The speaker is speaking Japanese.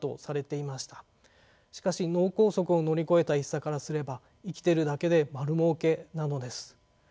しかし脳梗塞を乗り越えた一茶からすれば生きてるだけで丸儲けなのです。